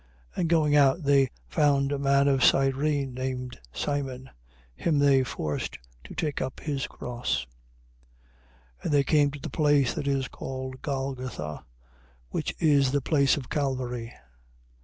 And going out, they found a man of Cyrene, named Simon: him they forced to take up his cross. 27:33. And they came to the place that is called Golgotha, which is the place of Calvary. 27:34.